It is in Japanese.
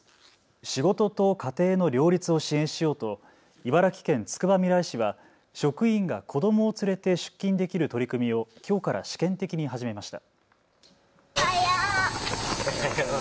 仕事と家庭の両立を支援しようと茨城県つくばみらい市は職員が子どもを連れて出勤できる取り組みをきょうから試験的に始めました。